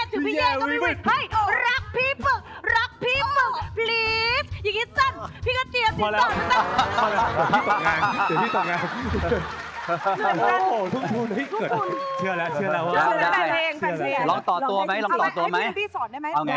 เฮ้ยเท้าพี่เรียเร่วนะหนูไม่ต้องกิน๒๕๖พี่ต้องไปแน่